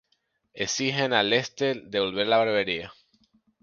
Exigen a Lester devolver la barbería.